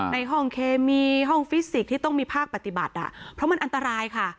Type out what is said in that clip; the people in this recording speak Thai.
ในห้องเคมีห้องฟิสิกส์ที่ต้องมีภาคปฏิบัติเพราะมันอันตรายค่ะ